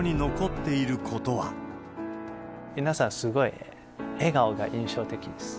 皆さん、すごい笑顔が印象的です。